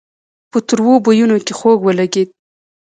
په تروو بويونو کې خوږ ولګېد.